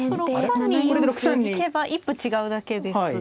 ６三に行けば一歩違うだけですが。